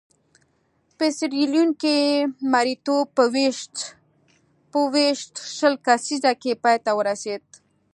په سیریلیون کې مریتوب په ویشت شل لسیزه کې پای ته ورسېد.